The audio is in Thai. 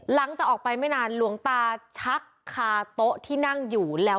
หลังจากออกไปไม่นานหลวงตาชักคาโต๊ะที่นั่งอยู่แล้ว